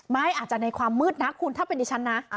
อาจจะในความมืดนะคุณถ้าเป็นดิฉันนะ